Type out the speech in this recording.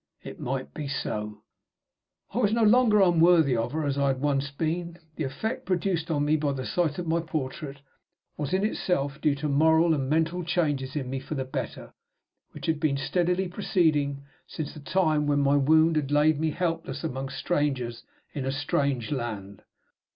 It might be so. I was no longer unworthy of her, as I had once been. The effect produced on me by the sight of my portrait was in itself due to moral and mental changes in me for the better, which had been steadily proceeding since the time when my wound had laid me helpless among strangers in a strange land.